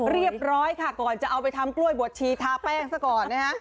เรียบร้อยค่ะก่อนจะเอาไปทำกล้วยบวชชีทาแป้งซะก่อนนะฮะ